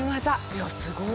いやすごっ！